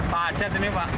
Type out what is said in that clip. pacet ini pak